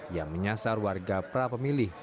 yang menyasar warga prapemilih